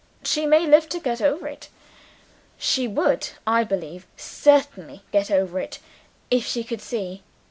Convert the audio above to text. She may live to get over it she would, I believe, certainly get over it, if she could see.